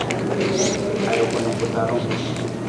Ajuku na ku talung.